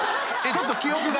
ちょっと記憶が。